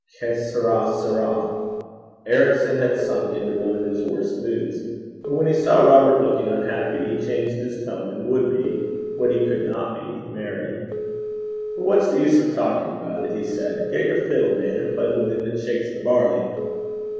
Che sara sara.' Ericson had sunk into one of his worst moods. But when he saw Robert looking unhappy, he changed his tone, and would be what he could not be merry. 'But what's the use of talking about it?' he said. 'Get your fiddle, man, and play The Wind that Shakes the Barley.'